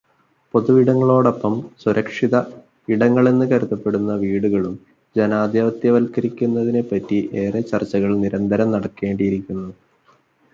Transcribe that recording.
പൊതുവിടങ്ങളോടൊപ്പം 'സുരക്ഷിത' ഇടങ്ങളെന്ന് കരുതപ്പെടുന്ന വീടുകളും ജനാധിപത്യവത്ക്കരിക്കുന്നതിനെപ്പറ്റി ഏറെ ചർച്ചകൾ നിരന്തരം നടക്കേണ്ടിയിരിക്കുന്നു.